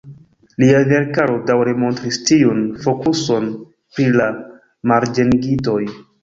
Lia verkaro daŭre montris tiun fokuson pri la marĝenigitoj.